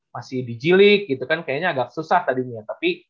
masih di g league gitu kan kayaknya agak susah tadi ya tapi